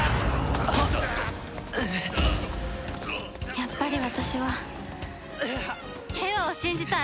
やっぱり私は景和を信じたい！